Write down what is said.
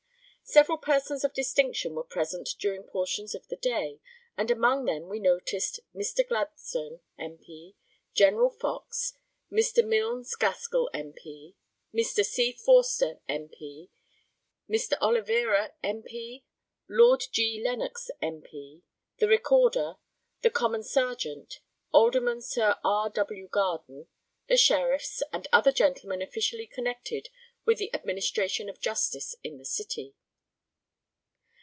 Several persons of distinction were present during portions of the day, and among them we noticed Mr. Gladstone, M.P., General Fox, Mr. Milnes Gaskell, M.P., Mr. C. Forster, M.P., Mr. Oliveira, M.P., Lord G. Lennox, M.P., the Recorder, the Common Serjeant, Alderman Sir R. W. Garden, the Sheriffs, and other gentlemen officially connected with the administration of justice in the city.